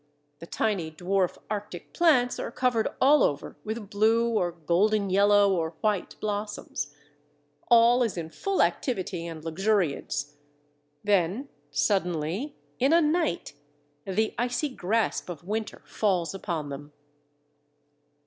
The tiny dwarf Arctic plants are covered all over with blue or golden yellow or white blossoms. All is in full activity and luxuriance. Then suddenly, in a night, the icy grasp of winter falls upon them.